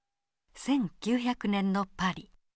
１９００年のパリ。